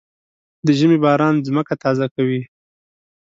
د ژمي باران ځمکه تازه کوي.